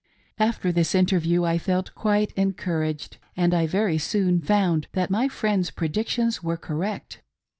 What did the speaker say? After this interview I felt quite encouraged, and I very soon found that my friend's predictions were correct.